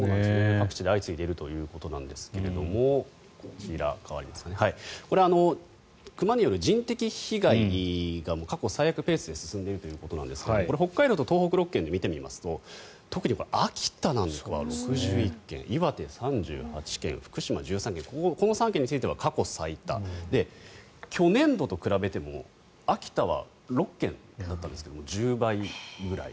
各地で相次いでいるということなんですがこれ、熊による人的被害が過去最悪のペースで進んでいるということなんですがこれ、北海道と東北６県で見てみますと特に秋田なんかは６１件岩手、３８件福島、１３件この３県については過去最多去年度と比べても秋田は６件だったんですが１０倍ぐらい。